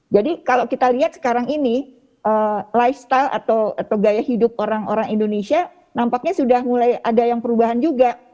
jadi kalau kita lihat sekarang ini lifestyle atau gaya hidup orang orang indonesia nampaknya sudah mulai ada yang perubahan juga